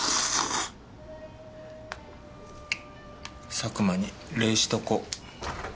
佐久間に礼しとこう。